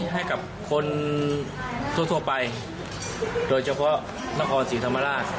ให้กับคนทั่วไปโดยเฉพาะนครศรีธรรมราช